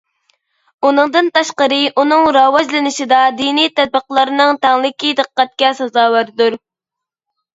ئۇنىڭدىن تاشقىرى ئۇنىڭ راۋاجلىنىشىدا دىنىي تەبىقىلەرنىڭ تەڭلىكى دىققەتكە سازاۋەردۇر.